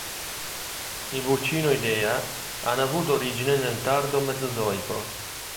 I Buccinoidea hanno avuto origine nel tardo Mesozoico.